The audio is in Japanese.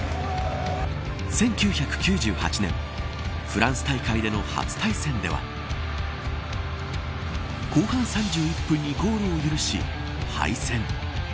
１９９８年フランス大会での初対戦では後半３１分にゴールを許し敗戦。